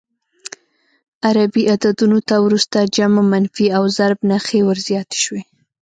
عربي عددونو ته وروسته جمع، منفي او ضرب نښې ور زیاتې شوې.